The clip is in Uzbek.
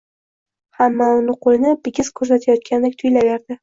Hamma uni qoʻlini bigiz koʻrsatayotgandek tuyilaveradi